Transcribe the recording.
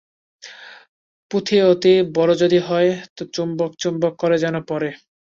পুঁথি অতি বড় যদি হয় তো চুম্বক চুম্বক করে যেন পড়ে।